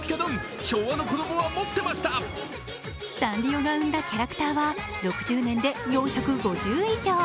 サンリオが生んだキャラクターは６０年で４５０以上。